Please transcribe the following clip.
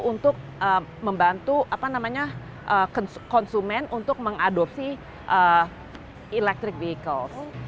untuk membantu konsumen untuk mengadopsi electric vehicle